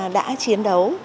đã chiến đấu